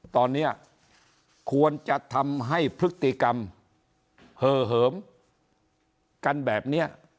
ตอนนี้ควรจะทำให้พฤติกรรมเหอเหิมกันแบบนี้